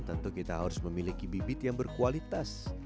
tentu kita harus memiliki bibit yang berkualitas